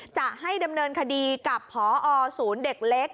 จะให้ดำเนินคดีกับพอศูนย์เด็กเล็ก